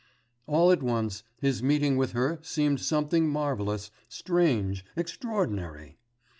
All at once his meeting with her seemed something marvellous, strange, extraordinary.